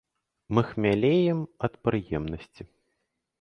Мы хмялеем ад прыемнасці.